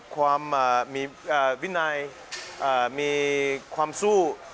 ความมีวินัยมีความสู้